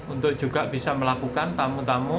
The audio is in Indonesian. untuk juga bisa melakukan tamu tamu